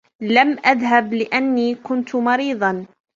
لم أذهب لأني كنت مريضا.